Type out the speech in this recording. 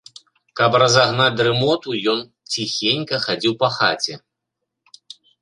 Каб разагнаць дрымоту, ён ціхенька хадзіў па хаце.